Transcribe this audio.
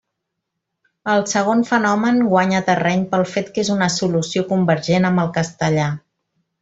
El segon fenomen guanya terreny pel fet que és una solució convergent amb el castellà.